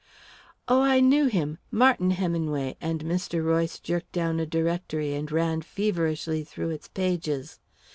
"Oh, I knew him Martin Heminway," and Mr. Royce jerked down a directory and ran feverishly through its pages.